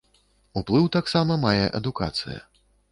Уплыў таксама мае адукацыя.